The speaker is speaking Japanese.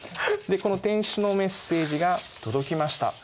この天使のメッセージが届きました。